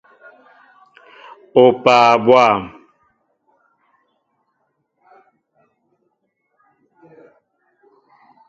Opaa bwȃm!